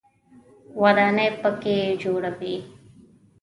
ودانۍ په کې جوړوي.